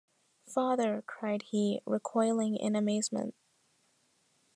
‘Father!’ cried he, recoiling in amazement.